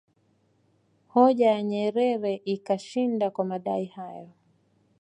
Hoja ya Nyerere ikashinda kwa madai hayo